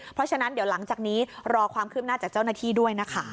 เพราะฉะนั้นเดี๋ยวหลังจากนี้รอความคืบหน้าจากเจ้าหน้าที่ด้วยนะคะ